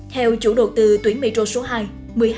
theo chủ đột từ tuyến metro số hai